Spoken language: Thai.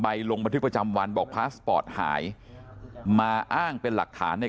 ลงบันทึกประจำวันบอกพาสปอร์ตหายมาอ้างเป็นหลักฐานใน